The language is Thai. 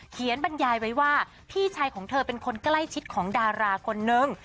บรรยายไว้ว่าพี่ชายของเธอเป็นคนใกล้ชิดของดาราคนนึง